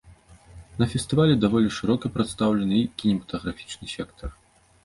На фестывалі даволі шырока прадстаўлены і кінематаграфічны сектар.